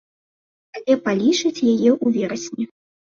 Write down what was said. Але палічыць яе ў верасні.